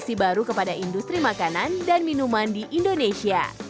investasi baru kepada industri makanan dan minuman di indonesia